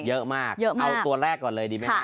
เยอะมากเอาตัวแรกก่อนเลยดีไหมฮะ